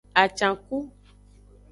Acanku.